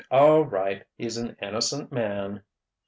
All right! He's an innocent man."